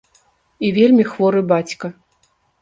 І вельмі хворы бацька.